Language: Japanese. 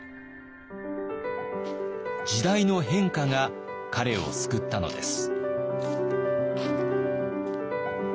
時代の変化が彼を救ったのです。